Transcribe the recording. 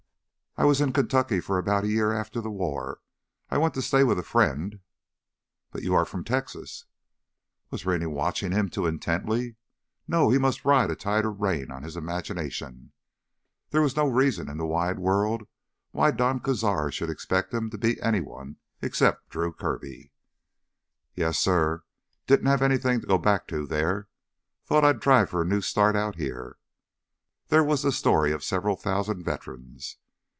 "I was in Kentucky for about a year after the war. I went to stay with a friend—" "But you are from Texas?" Was Rennie watching him too intently? No, he must ride a tighter rein on his imagination. There was no reason in the wide world why Don Cazar should expect him to be anyone except Drew Kirby. "Yes, suh. Didn't have anythin' to go back to there. Thought I'd try for a new start out here." There was the story of several thousand veterans.